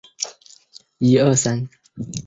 锡帕卡特由埃斯昆特拉省和太平洋所包围。